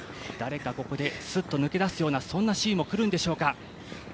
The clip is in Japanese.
誰かここですっと抜け出すようなシーンも来るんでしょうか。